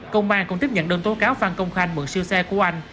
công an cũng tiếp nhận đơn tố cáo phan công khanh mượn siêu xe của anh